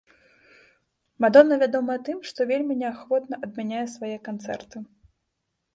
Мадонна вядомая тым, што вельмі неахвотна адмяняе свае канцэрты.